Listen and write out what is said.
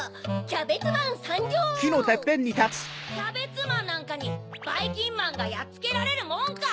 キャベツマンなんかにばいきんまんがやっつけられるもんか！